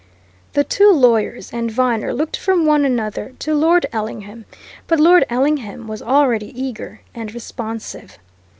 The two lawyers and Viner looked from one another to Lord Ellingham but Lord Ellingham was already eager and responsive.